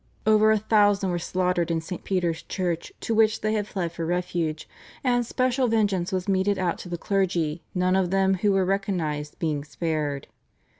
Over a thousand were slaughtered in St. Peter's Church to which they had fled for refuge, and special vengeance was meted out to the clergy, none of them who were recognised being spared.